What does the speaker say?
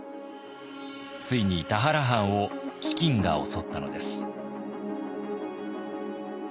ついに田原藩を飢饉が襲ったのです。